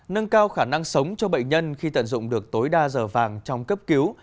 nâng cao khả năng sống cho bệnh nhân khi tận dụng được tối đa giờ vàng trong cấp cứu